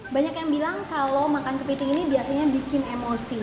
banyak yang bilang kalau makan kepiting ini biasanya bikin emosi